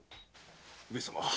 上様